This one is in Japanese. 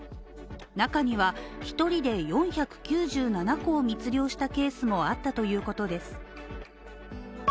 中には１人で４９７個を密漁したケースもあったということです。